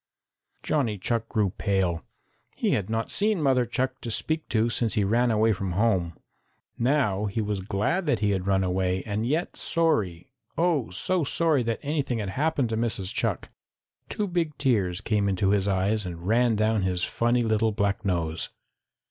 Johnny Chuck grew pale. He had not seen Mother Chuck to speak to since he ran away from home. Now he was glad that he had run away, and yet sorry, oh, so sorry that anything had happened to Mrs. Chuck. Two big tears came into his eyes and ran down his funny little black nose.